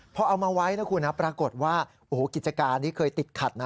พอเอามาไว้ปรากฏว่ากิจการที่เคยติดขัด